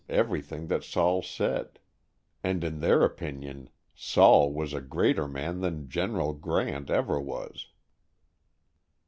everything that "Sol" said; and in their opinion "Sol" was a greater man than General Grant ever was.